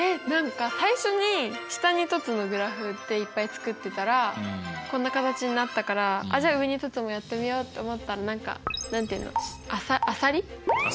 何か最初に下に凸のグラフでいっぱい作ってたらこんな形になったからじゃあ上に凸もやってみようって思ったら何か何て言うのあさり？